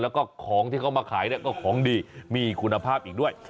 แล้วก็ของที่เขามาขายก็ของดีมีคุณภาพอีกด้วย